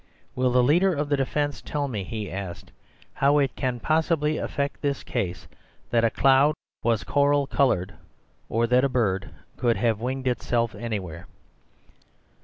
"Will the leader of the defence tell me," he asked, "how it can possibly affect this case, that a cloud was cor'l coloured, or that a bird could have winged itself anywhere?"